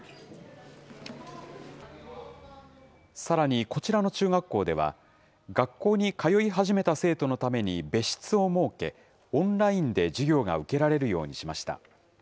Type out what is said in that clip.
さらにこちらの中学校では、学校に通い始めた生徒のために別室を設け、オンラインで授業が受けられるようにしました。